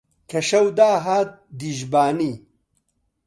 کە شەو داهات دیژبانی